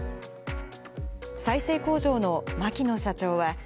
再生工場の牧野社長は。